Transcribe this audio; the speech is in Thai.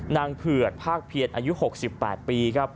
นางเผือดภาคเพียรอายุ๖๘ปี